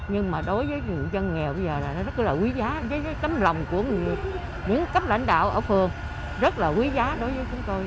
nhưng mà đối với người dân nghèo bây giờ là nó rất là quý giá với cái tấm lòng của những cấp lãnh đạo ở phường rất là quý giá đối với chúng tôi